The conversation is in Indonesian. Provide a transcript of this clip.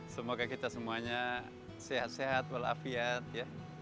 semoga kita semuanya sehat sehat walafiat ya